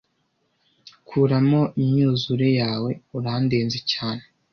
Kuramo imyuzure yawe, urandenze cyane.